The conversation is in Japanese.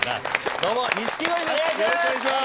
どうも錦鯉です。